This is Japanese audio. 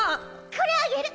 これあげる。